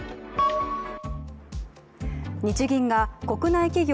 日銀が国内企業